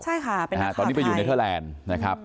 ใช่ค่ะเป็นนักข่าวไทยตอนนี้ไปอยู่ในเทอร์แลนด์นะครับ